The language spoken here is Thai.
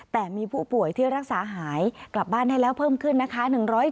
แต่มีผู้ป่วยที่รักษาหายกลับบ้านได้แล้วเพิ่มขึ้นนะคะ